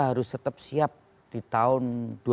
harus tetap siap di tahun